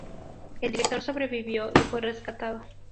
El director sobrevivió y fue rescatado.